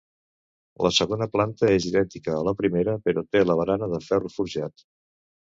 La segona planta és idèntica a la primera, però té la barana de ferro forjat.